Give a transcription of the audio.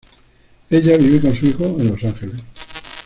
Ella vive con su hijo en Los Ángeles.